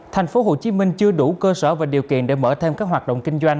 thành phố hồ chí minh chưa đủ cơ sở và điều kiện để mở thêm các hoạt động kinh doanh